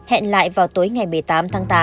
hẹn lại vào tối ngày một mươi tám tháng tám